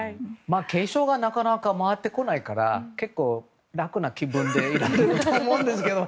継承がなかなか回ってこないから楽な気分でいられると思うんですけど。